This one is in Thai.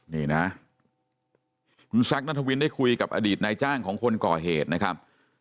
นี่นะคุณแซคนัทวินได้คุยกับอดีตนายจ้างของคนก่อเหตุนะครับ